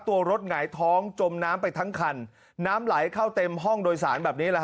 ตัวรถหงายท้องจมน้ำไปทั้งคันน้ำไหลเข้าเต็มห้องโดยสารแบบนี้แหละฮ